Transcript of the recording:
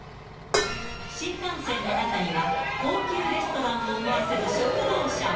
新幹線の中には、高級レストランを思わせる食堂車も。